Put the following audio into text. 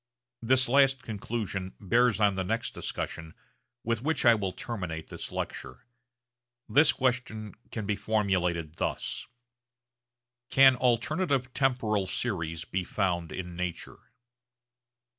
This last conclusion bears on the next discussion with which I will terminate this lecture. This question can be formulated thus, Can alternative temporal series be found in nature?